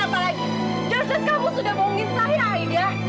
penjelasan apa lagi